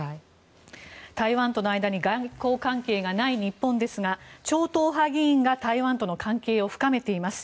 台湾との間に外交関係がない日本ですが超党派議員が台湾との関係を深めています。